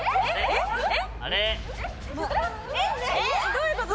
・どういうこと？